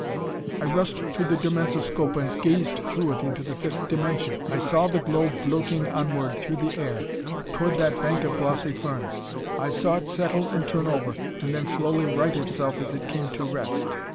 "I rushed to the dimensoscope and gazed through it into the fifth dimension. I saw the globe floating onward through the air, toward that bank of glossy ferns. I saw it settle and turn over, and then slowly right itself as it came to rest.